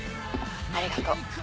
ありがとう。